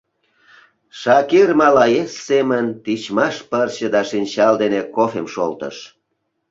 Шакир малаец семын тичмаш пырче да шинчал дене кофем шолтыш.